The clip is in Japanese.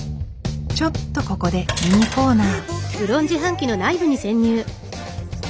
ちょっとここでミニコーナー。